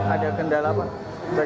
ada kendala apa